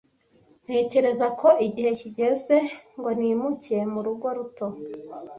Ntekereza ko igihe kigeze ngo nimuke mu rugo ruto.